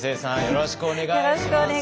よろしくお願いします。